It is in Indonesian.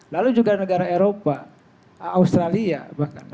lalu juga negara eropa australia bahkan